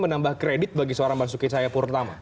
menambah kredit bagi seorang mas yusuf cahayapurnama